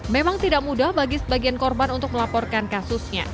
memang tidak mudah bagi sebagian korban untuk melaporkan kasusnya